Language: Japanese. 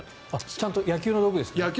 ちゃんと野球の道具ですか？